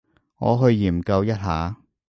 我去研究一下